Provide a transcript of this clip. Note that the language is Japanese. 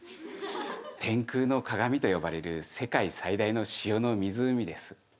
天空の鏡と呼ばれる世界最大の塩の湖です。